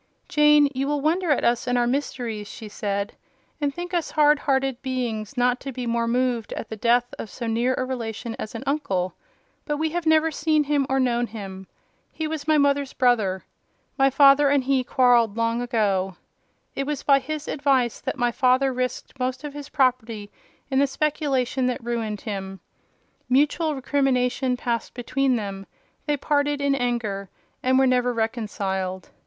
"Jane, you will wonder at us and our mysteries," she said, "and think us hard hearted beings not to be more moved at the death of so near a relation as an uncle; but we have never seen him or known him. He was my mother's brother. My father and he quarrelled long ago. It was by his advice that my father risked most of his property in the speculation that ruined him. Mutual recrimination passed between them: they parted in anger, and were never reconciled.